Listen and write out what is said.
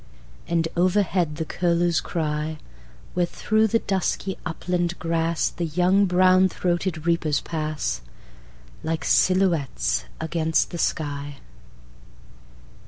And overhead the curlews cry, Where through the dusky upland grassThe young brown throated reapers pass, Like silhouettes against the sky.